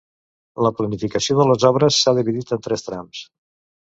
La planificació de les obres s’ha dividit en tres trams.